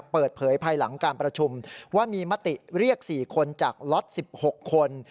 เปิดเผยภายหลังการประชุมว่ามีมติเรียก๔คนจากล็อต๑๖คน